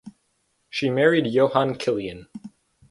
She married Johan Kilian.